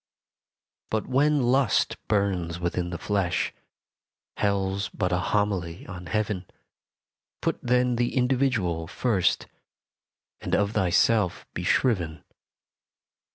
But when lust burns within the flesh Hell's but a homily on Heaven Put then the individual first, And of thyself be shriven.